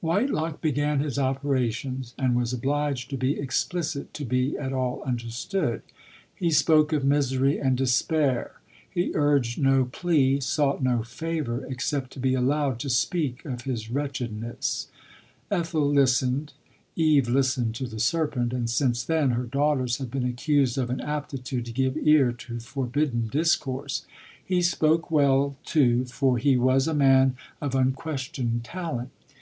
Whitelock began his operations, and was obliged to be explicit to be at all understood. He spoke of misery and despair ; he urged no plea, sought no favour, except to be allowed to speak of his wretchedness. Ethel listened — Eve listened to the serpent, and since then, her daughters have been accused of an aptitude to give ear to forbidden discourse. He spoke well, LODORE. Cl too, for he was a man of unquestioned talent.